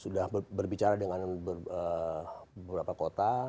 sudah berbicara dengan beberapa kota